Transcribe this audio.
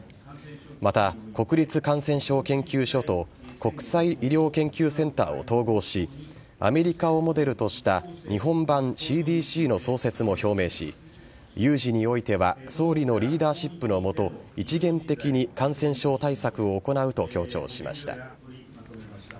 また、国立感染症研究所と国際医療研究センターを統合しアメリカをモデルとした日本版ＣＤＣの創設も表明し有事においては総理のリーダーシップの下一元的に感染症対策を行うと強調しました。